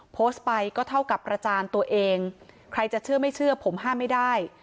โพสต์ไปก็เท่ากับประจานตัวเองใครจะเชื่อไม่เชื่อผมห้ามไม่ได้